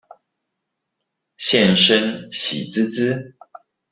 現身喜滋滋